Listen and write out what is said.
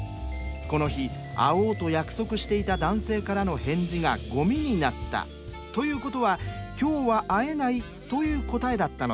この日会おうと約束していた男性からの返事がゴミになったということは「今日は会えない」という答えだったのでしょう。